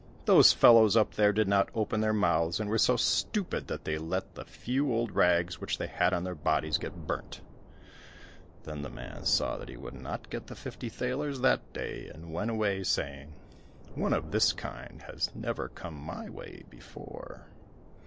Those fellows up there did not open their mouths, and were so stupid that they let the few old rags which they had on their bodies get burnt." Then the man saw that he would not get the fifty thalers that day, and went away saying, "One of this kind has never come my way before."